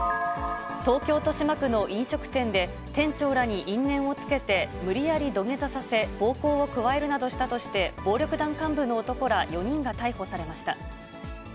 東京・豊島区の飲食店で、店長らに因縁をつけて、無理やり土下座させ、暴行を加えるなどしたとして、暴力団幹部の男ら４人が逮捕されました。